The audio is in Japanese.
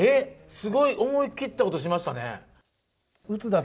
すごい、思い切ったことしましたね。